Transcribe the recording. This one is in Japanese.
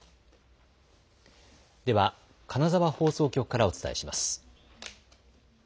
では金沢放送局からお伝えします。